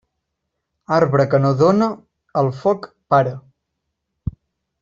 Arbre que no dóna, al foc para.